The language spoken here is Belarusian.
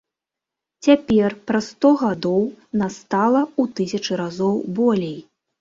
Цяпер, праз сто гадоў, нас стала ў тысячы разоў болей.